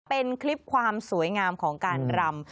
เป็นคลิปความสวยงามของการรำ